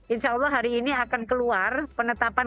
insya allah hari ini akan keluar penetapan